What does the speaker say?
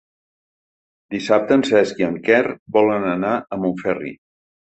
Dissabte en Cesc i en Quer volen anar a Montferri.